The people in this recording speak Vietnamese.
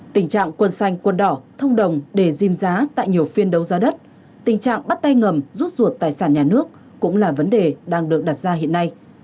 tình trạng quân xanh quân đỏ thông đồng để dìm giá tại nhiều phiên đấu giá đất tình trạng bắt tay ngầm rút ruột tài sản nhà nước cũng là vấn đề đang được đặt ra hiện nay